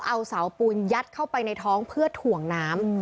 เอาเสาปูนยัดเข้าไปในท้องเพื่อถ่วงน้ำ